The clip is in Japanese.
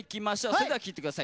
それでは聴いてください。